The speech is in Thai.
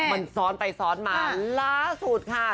มันซ้อนไปซ้อนมาล่าสุดค่ะ